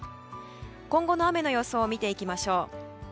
今後の雨の予想を見ていきましょう。